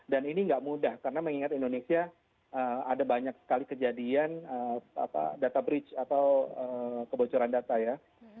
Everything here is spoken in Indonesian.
dan ini gak mudah karena mengingat indonesia ada banyak sekali kejadian data breach atau kebocoran data ya